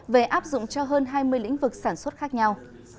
về áp dụng cho hơn hai mươi lĩnh vực sản xuất khác nhau